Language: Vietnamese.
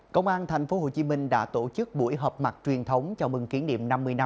công an tp hcm đã tổ chức buổi họp mặt truyền thống cho mừng kiến điểm năm mươi năm